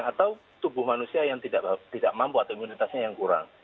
atau tubuh manusia yang tidak mampu atau imunitasnya yang kurang